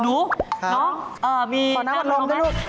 ดูน้องมีน้ำวะลมนะ